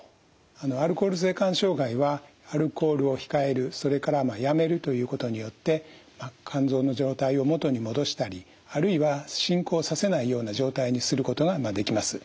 アルコール性肝障害はアルコールを控えるそれからやめるということによってまあ肝臓の状態を元に戻したりあるいは進行させないような状態にすることができます。